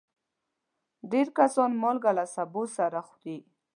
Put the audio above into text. ډېر کسان مالګه له سبو سره خوري.